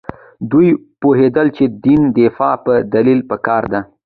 دوی پوهېدل چې د دین دفاع په دلیل پکار ده.